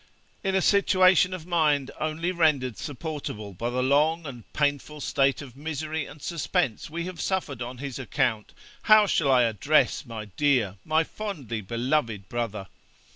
'In a situation of mind only rendered supportable by the long and painful state of misery and suspense we have suffered on his account, how shall I address my dear, my fondly beloved brother!